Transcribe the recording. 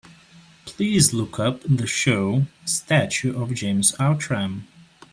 Please look up the show Statue of James Outram.